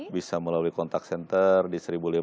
bisa melalui kontak center di lima belas satu ratus enam puluh lima